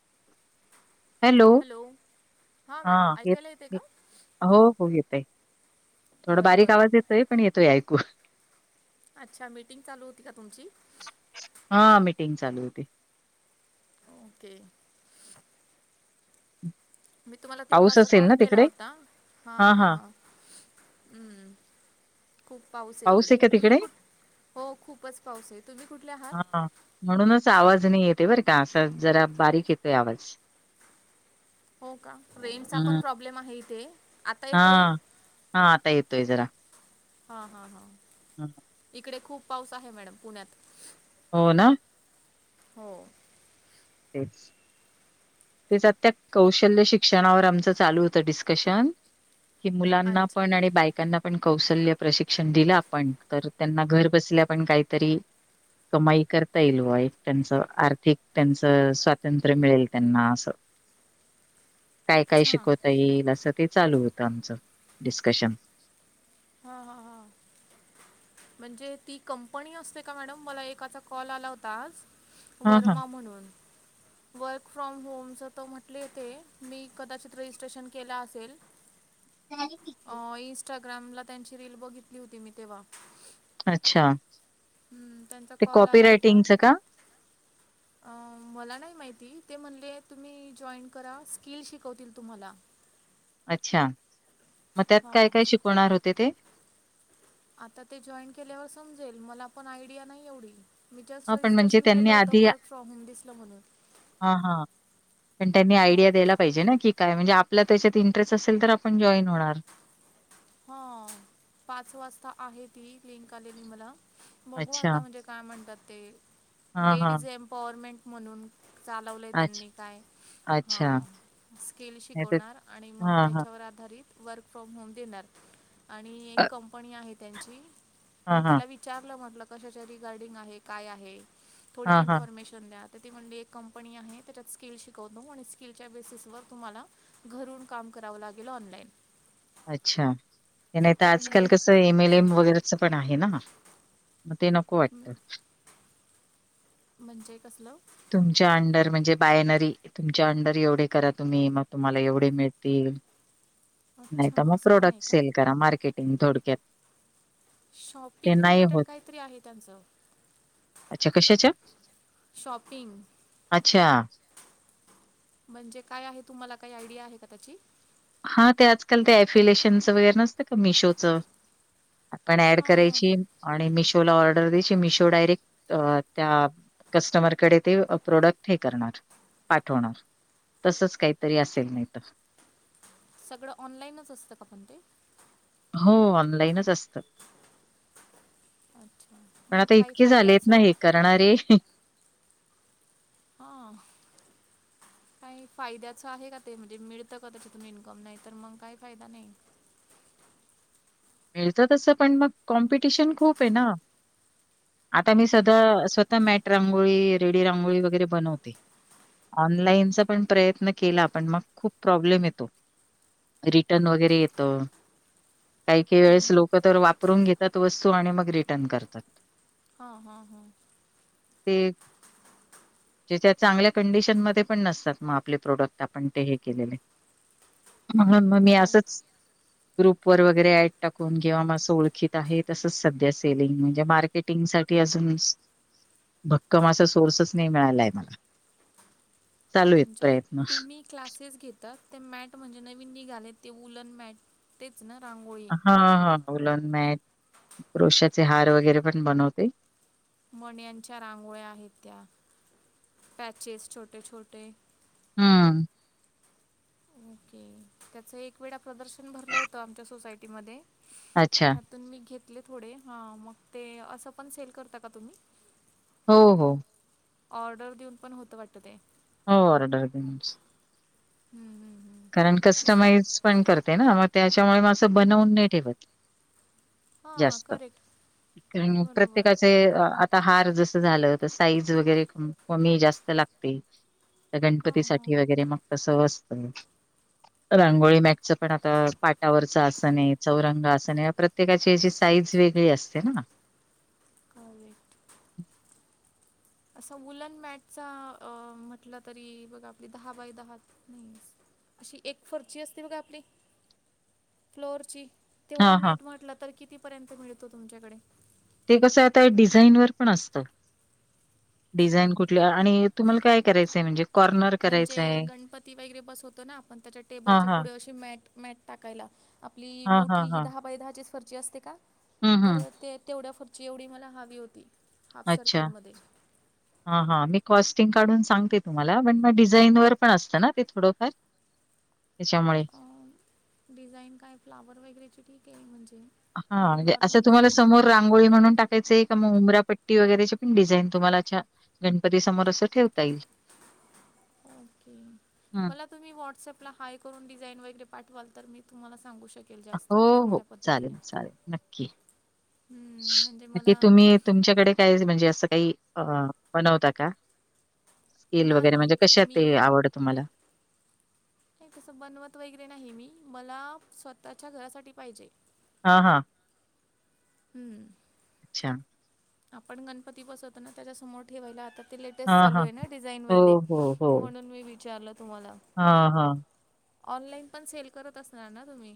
[inaudible] Hello हां हा madam ऐकायला येते येत का हं, हो हो येतय. थोडा बरं बारीक बरं आवाज येतोय पण येतोय ऐकू. अच्छा मीटिंग चालू होती का तुमची. मिटिंग चालू होती. ओके. मी तुम्हाला तीन पाऊस वाजता असेल कॉल ना केला तिकडे होता हा हा हा. हम्म खूप पाऊस आहे इकडे तुम्ही कुठ. हो खूपच पाऊस आहे तुम्ही कुठले आहात हा म्हणूनच आवाज नाही येते बर. का असा जरा बारीक येतोय आवाज. हो का रेनज चा पण हम्म प्रॉब्लेम आहे इथे. आता हा येतोय हा आता इेतो इरा. हा हा हा. हम्. इकडे खूप पाऊस आहे मॅडम पुण्यात. हो ना. हो. [unintelligible] तेच आ त्या कौशल्य शिक्षणावर आमचं चालू होत डिस्कशन. कि मुलांना अच्छा पण आणि बायकांना पण. पण कौशल्य प्रशिक्षण दिलं आपण तर त्यांना घर बसल्या पण काहीतरी. कमाई करता येईल वा एक त्यांच आर्थिक त्यांच. स्वातंत्र मिळेल त्यांना अस काय काय अच्छा शिकवता येईल अस. ते चालू होतं आमचं डिस्कशन. हा हा हा. म्हणजे ती कंपनी असते का मॅडम मला एकाचा कॉल आला होता आज. हा हा वर्मा म्हणून वर्. फ्रॉम होमचं त म्हटले य तेे मी कदाचित रजिस्ट्रेशन केलं असेल. अ इनंस्टाग्रामला त्यांची रील बघितली होती मी तेव्हा. अच्छा. हम्म त्यांचा ते कॉल कॉपी आला होता रायटिंगचं का अ मला नाही माहिती. ते म्हणले तुम्ही जॉईन करा स्किल शिकवतील तुम्हाला. अच्छा मग त्यात हां काय काय शिकवणार होते ते. आता ते जॉईन केल्यावर समजेल मला पण आयडिया नाही एवढी. मीस् हा पण म्हणजे रजिस्ट्रेशन त्यांनी केलं होत आधी वर्क फ्रॉम होम दिसलं म्हणून. हा हा पण त्यांनी आयडिया हां दिला पाहिजे ना की काय म्हणजे. आपला त्याच्यात इंटरेस्ट असेल तर आपण जॉईन होणार. हा पाच वाजता आहे ती इन का आलेली मला. बघू अच्छा आता म्हणजे काय म्हणतात ते हा हा लेडीज एम्पवरमेंट म्हणून. चालवलंय अच्छा त्यांनी काय. हा अच्छा स्किल नाही तर शिकवणार आणि मग हा हा त्याच्यावर आधारित वर्क फ्रॉम होम देणार. आणि एक अ- कंपनी आहे त्यांची हा मी हा तिला विचारलं म्हटलं. कशाच्या रिगार्डिंग आहे काय आहे थोडी हा हा इन्फॉर्मेशन द्या. म्हण एक कंपनी आहे त्याच्यात स्किल शिकवतो आणि स्किलच्या बेसिस वर तुम्हाला घरून काम. कराव लागेल ऑनलाईन. अच्छा नाही तर आजकाल कसं एम एल एम वगैरेच पण आहे ना. मग ते नको वाटत. म्हणजे कसलं? तुमच्या अंडर म्हणजे, बायनरी, तुमच्या अंडर एवढे करा तुम्ही, मग तुम्हाला एवढे मिळतील. नाही अच्छा तर मग असं पण आहे प्रोडक्ट का सेल करा, मार्केटिंग थोडक्यात. ते शॉपिंग नाही रिलेटेड होत काहीतरी आहे त्यांचं. अच्छा कशाच्या? शॉपिंग अच्छा. म्हणजे काय आहे? तुम्हाला काय आयडिया आहे का त्याची? हा, ते आजकाल ते अफिलेशनचं वगैरे नसतं का? मिशोचं आपण ऍड हां हां करायची, हां आणि मिशोला ऑर्डर द्यायची, मिशो डायरेक्ट अ त्या कस्टमरकडे, ते प्रोडक्ट हे करणार, पाठवणार,, तसंच काहीतरी असेल नाहीतर, सगळं ऑनलाईनच असतं का पण ते? हो ऑनलाईनच असतं. अच्छा पण मग आता काही इतके झालेत ना फायद्याचं हे करणारे,,, हा, काही फायद्याचं आहे का ते म्हणजे मिळतं का त्याच्यातून इन्कम? नाही तर मग काही फायदा नाही. [inaudible] मिळत तसं, पण मग कॉम्पिटिशन खूप हे ना, आता मी हम्म, सध्या स्वतः मॅट रांगोळी, रेडी रांगोळी वगैरे बनवते. ऑनलाईनचा पण प्रयत्न केला, पण मग खूप प्रॉब्लेम येतो. रिटर्न वगैरे येतं. काही काही वेळेस हम्म. लोक तर वापरून घेतात वस्तू, आणि मग रिटर्न करतात. हा, हा, हां. ते. ज्याच्या चांगल्या कंडिशन मध्ये पण नसतात मग आपले प्रोडक्ट आपण ते हे केलेले. म्हणून मग मी हो असंच, ग्रुप वर वगै वे ऍड टाकून, किंवा अस ओळखीत आहे, तसच सध्या सेलिंग, म्हणजे मार्केटिंग साठी अजून भक्कम असा सोर्सच नाही मिळाला आहे मला. चालू आहेत म्हणजे प्रयत्न. तुम्ही क्लासेस घेतात, ते मॅट म्हणजे नवीन निघाले ते उलण मॅट,, ते हा, हा, उलन मॅट, क्रोशाचे हार वगैरे पण बनवते. मण्याच्या रांगोळ्या आहेत त्या, पॅचेस छोटे, छोटे हम्, ओके, त्याच एक वेळा प्रदर्शन भरलं होतं आमच्या सोसायटीमध्ये अच्छा. त्यातून मी घेत थोडे, ह, मग ते असं पण सेल करता का तुम्ही? हो, हो, ऑर्डर देऊन पण होत वाटत ते. हो, वारडर देऊनच हम्म, हम्म हम्म. कारण कस्टमाइज बघित पण करते ना,, मग त्याच्यामुळे म असं बनवून नाही ठेवत. हां जास्त, करेक्ट कारन बरोबर प्रत्येकाचे आता हार जस झालं, तर साईज वगैरे कमी, जास्त लागते. गणपती हां हां साठी वगैरे मग तसं असतं,, [inaudible] रांगोळी मॅच पण आता, पाटावरच आसणय, चौरंग आसणय,, प्रत्येकाची साईज वे वेगळे असते ना. ओकै, असं वुलन मॅटचा अ म्हटलं तरी, बघा आपली दहा, बाय दहा अशी एक फर्शी असते बघा आपली, फ्लोअर ची. तेवढा हां, हां. मॅट म्हटलं तर कितीपर्यंत मिळतो तुमच्याकडे? ते कसं आता डिझाईनवर पण असत डिझाइन कुठल्या आणि तुम्हाला काय करायचंय म्हणजे कॉर्नर म्हणजे करायचंय? गणपती वगैरे बस होतो ना आपण त्याच्या हां, टेबलच्या हां. पुढे अशी मॅट मॅट टाकायला आपली हां, हां, मोठी ही हां. दहा बाय दहाचीच फर्शी असते का? हं, तर हं. ते तेवढ्या फरची एवढी मला हवी होती हाफ अच्छा सर्कलमध्ये हा हा मी काॅस्टीग काढून सांगते तुम्हाला पण डिझाईन वर पण असत ना थोडंफार? त्याच्यामुळे. अ डिझाईन काय फ्लावर वगैरेची ठीके आहे म्हणजे हा आपली असं नॉर्मल तुम्हाला डिझाईन समोर रांगोळी म्हणून टाकायचंय का मग उंबरा पट्टी वगैरे पण डिझाईन तुम्हाला गणपती समोर अस ठेवता येईल. ओके हं. मला तुम्ही व्हॉट्अप हाय करून डिझाईन वगैरे पाठवाल तर मी तुम्हाला सांगू श हो हो चालेल चालेल नक्की. हम्म, म्हणजे कि मला तुम्ही तुमच्याकडे काय म्हणजे असं काही अ बनवता का स्किल वगैरे नाही म्हणजे कशात मी ते आवडत तुम्हाला? कस बनवत वैगेरे नाही मी मला स्वतःच्या घरासाठी पाहिजे. हा हा. हम्म. [unintelligible] आपण गणपती बसवतो ना त्याच्या समोर ठेवायला आता ते लेटेस्ट हां, चालू हां. आहे ना डिझाईन वगैरे हो, हो, हो. म्हणून मी विचारलं हां हां ऑनलाइन पण सेल करत असणार ना तुम्ही?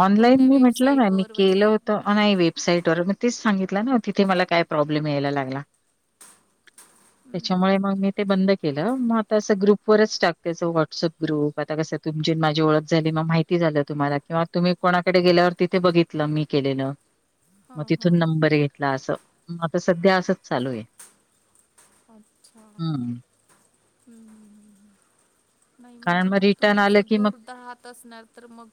ऑनलाईन कोणत्या मी म्हटलं ना मी वेबसाईटवर केलं वगैरे होत नाही वेबसाईट व मग तेच सांगितलं. न तिथे मला काही प्रोब्लेम यायला लागला, हम्म, हम्म, येण्यामुळे हम्म. मग मी ते बंद केलं मग आता असं ग्रुप ववरच टाकतेच व्हॉट्सअप ग्रुप आता कस तुमची माझी ओळख झाली म माहिती झालं तुम्हाला किंवा तुम्ही कोणाकडे गेल्यावर तिथे बघितलं मी केलेलं. मग हां तिथून हां नंबर घेतला असं म आता सध्या असंच चालू आहे. अच्छा हं. हम्म. नाही कारण म्हणजे मग रिटर्न तुम्ही आलं जर की दूरहात असणार तर मग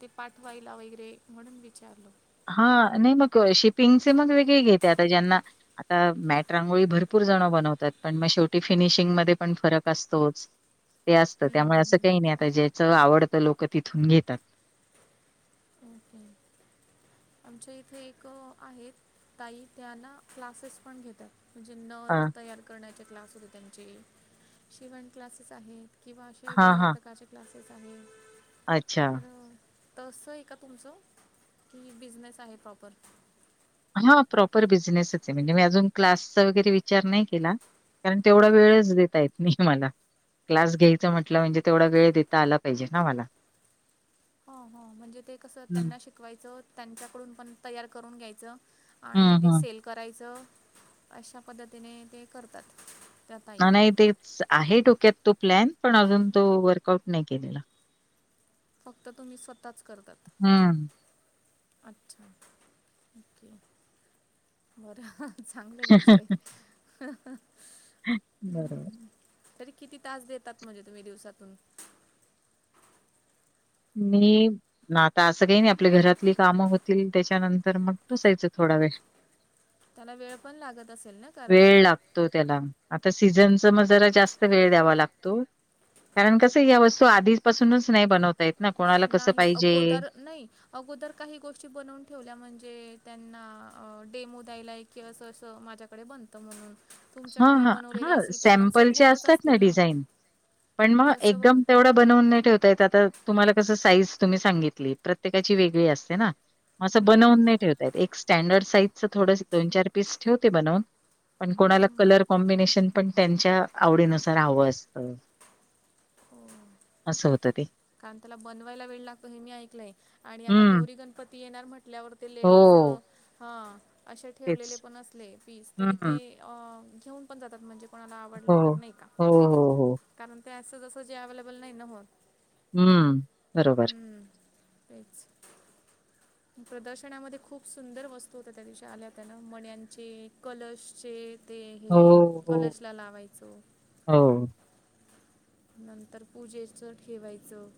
ते पा ठेवायला वगैरे म्हणून विचारलो. हा नाही मग शिपिंगचे मग वेगळे घेते आता ज्यांना आता मॅट रांगोळी भरपूर कितीजनं बनवतात पण मग शेवटी फिनिशिंग मध्ये पण फरक असतोच. ते असतं हम्म, त्यामुळे हम्म, असं हम्म. काही नाही आता ज्याच आवडत लोक तिथून घेतात. अओके. आमच्या इथे एक आहेत ताई त्यांना क्लासेस पण घेतात. म्हणजे अ, नथ तयार करण्याचे क्लास होते त्यांचे शिवण क्लासेस आहेत. किंवा असे हां, वेगळ्या हां. प्रकारचे क्लासेस आहे. अच्छा. तसं आहे का तुमचं की बिझनेस आहे प्रॉपर. हा प्रॉपर बिझनेसच आहे म्हणजे मी अजून क्लासचा वगैरे विचार नाही केला. कारण तेवढा वेळच देता येत नाही मला. क्लास घ्यायचं म्हटलं म्हणजे तेवढा वेळ देता आला पाहिजे ना मला. हो हो म्हणजे ते कसं हं, त्यांना शिकवायचं त्यांच्याकडून पण तयार करून घ्यायचं. आणि हं, ते हं. सेल करायचं अशा पद्धतीने ते करतात. त्या ताई नाही तेच आहे डोक्यात तो प्लॅन पण अजून तो वर्कआउट नाही केलेला. फक्त तुम्ही स्वतःच. करतात हम्म. अच्छा ओके बरं. चांगल्या गोष्ट आहे. बरोबर. तरी किती तास देतात म्हणजे तुम्ही दिवसातून? मी ना आता असं काही नाही आपली घरातली कामं होतील त्याच्यानंतर मग बसायचं थोडा वेळ. त्याला वेळ पण लागत असेल ना कारण. तर सीझनच मग जरा जास्त वेळ द्यावा लागतो. कारण कसं या वस्तू आधीपासुनच नाही बनवत. नाही अगोदर नाही अगोदर काही गोष्टी बनवून ठेवल्या म्हणजे त्या ना अ डेमो द्यायला आहे की असं असं माझ्याकडे बनतं म्हणून. तुमच्या हा काही हा हा बनवलेल्या असेल त्या पण सेल सॅम्पलचे होतच असतात ना असतील डिझाइन. पण मग जसं बघा एकदम तेवढं बनवून नाही ठेवता येतं आता तुम्हाला कस साईज तुम्ही सांगितली प्रत्येकाची वेगळी असते ना. असं हम्म, बनवून हम्म. नाही ठेवता येत एक स्टँडर्ड साइजचं थोडस दोन चार पीस ठेवते बनवून. पण हम्म, कोणाला हम्म. कलर कॉम्बिनेशन पण त्यांच्या आवडीनुसार हवं असतं. हो असं ते. कारण त्याला बनवायला वेळ लागतो हे मी ऐकलंय आणि आता हं. गौरी गणपती येणार म्हट केल्यावर ते लेडीज. हो. हां असे ठेवलेले तेच. पण असले पीस तरी ते हं. अ घेऊन पण जातात. म्हणजे कोणाला हो, आवडलं तर नाही का हो हो हो. कारण ते असं जसं जे अवेलेबल नाही ना होत. हम्म. हम्म तेच. प्रदर्शनामध्ये खूप सुंदर वस्तू होत्या त्या दिवशी आल्या होत्या ना मण्याणंचे, कलर्सचे. ते हो, हे हो, कलर्सला लावायचं. हो. नंतर पूजेच ठेवायचं.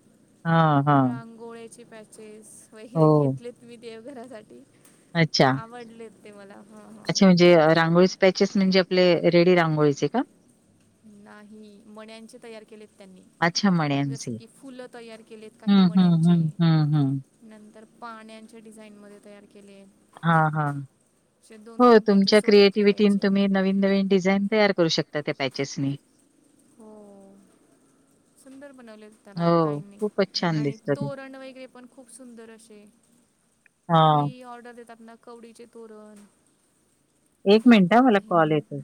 हा हा. रांगोळ्याचे पॅचेस वगैरे घेतलेत मी देवघरासाठी अच्छा. आवडलेत. ते मला हां अच्छा हां म्हणजे रांगोळीचे पॅचेस म्हणजे आपले रेडी रांगोळीचे का? नाही मण्याणंचे तयार केलेत त्यांनी. अच्छा जस मण्यांचे. की फुलं तयार केलेत काही हं, हं, मण्यांचे हं, हं, हं. नंतर पाण्यांनच्या डिझाइन मध्ये तयार केले हा हा. असे दोन हो तीन तुमच्या पॅचेस सोबत क्रिएटिव्हिटीनं ठेवायचे तुम्ही नवीन नवीन डिझाइन तयार करू शकता. त्या पॅचेस मी. हो सुंदर बनवले त्याला हो. ताईंनी. खूपच छान आणि दिसतं ते. तोरण वगैरे पण खूप सुंदर असे हां. काही ऑर्डर देतात ना कवडीचे तोरण, एक मिनिट हा लागतात मला कॉल काहींना येतोय.